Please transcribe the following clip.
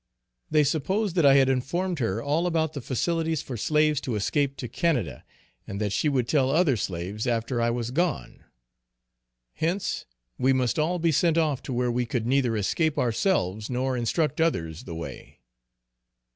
They supposed that I had informed her all about the facilities for slaves to escape to Canada, and that she would tell other slaves after I was gone; hence we must all be sent off to where we could neither escape ourselves, nor instruct others the way.